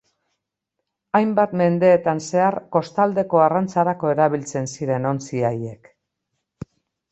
Hainbat mendeetan zehar kostaldeko arrantzarako erabiltzen ziren ontzi haiek.